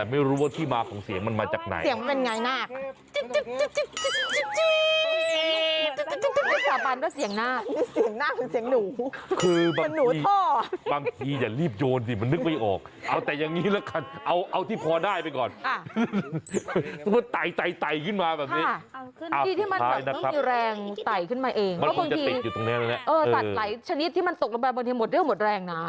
เอะพี่โด้เอ่งมาบริเวะให้หมดเรียวกอนแรงนะ